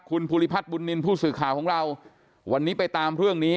คุณภูริพัฒน์บุญนินทร์ผู้สื่อข่าวของเราวันนี้ไปตามเรื่องนี้